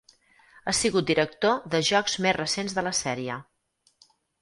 Ha sigut director de jocs més recents de la sèrie.